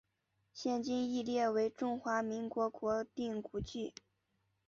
现今亦列为中华民国国定古迹。